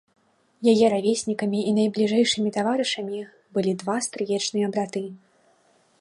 Яе равеснікамі і найбліжэйшымі таварышамі былі два стрыечныя браты.